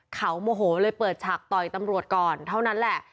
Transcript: เขาโมโหเลยเปิดฉากต่อยตำรวจก่อนเท่านั้นแหละ